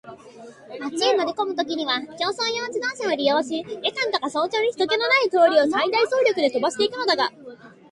町へ乗りこむときには競走用自動車を利用し、夜間とか早朝に人気ひとけのない通りを最大速力で飛ばしていくのだが、